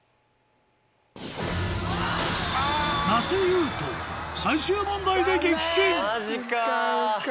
那須雄登最終問題で撃沈マジか。